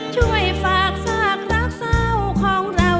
ช่วยฝากฝากรักเศร้าของเรา